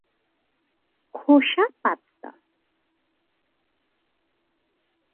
খোসা পাতলা।